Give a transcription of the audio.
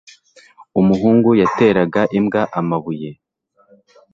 Umuhungu yateraga imbwa amabuye.